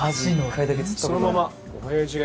そのまま。